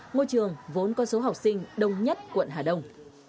môi trường vốn con số học sinh đông nhất quận hà đông